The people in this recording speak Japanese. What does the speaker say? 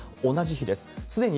同じ日です。